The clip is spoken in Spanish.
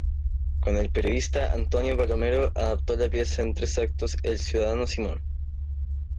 Con el periodista Antonio Palomero adaptó la pieza en tres actos "El ciudadano Simón".